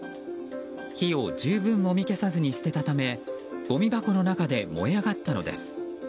火を十分もみ消さずに捨てたためごみ箱の中で燃え上がったのです。